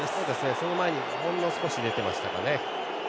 その前にほんの少し出てましたかね。